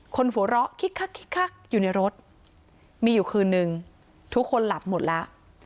หัวเราะคิกคักอยู่ในรถมีอยู่คืนนึงทุกคนหลับหมดแล้ว